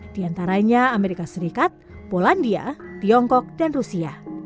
di antaranya amerika serikat polandia tiongkok dan rusia